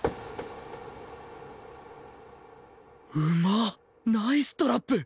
うまっ！ナイストラップ！